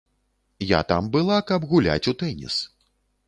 Я там была, каб гуляць у тэніс.